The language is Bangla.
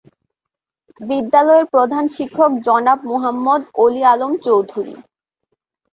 বিদ্যালয়ের প্রধান শিক্ষক জনাব মোহাম্মদ অলি আলম চৌধুরী।